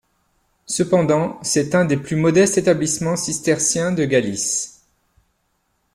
Cependant, c'est un des plus modestes établissements cisterciens de Galice.